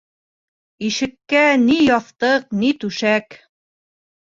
Ишеккә ни яҫтыҡ, ни түшәк.